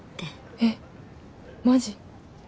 えっマジ？